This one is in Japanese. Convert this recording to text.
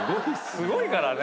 すごいからね。